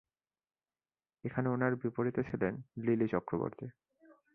এখানে ওনার বিপরীতে ছিলেন লিলি চক্রবর্তী।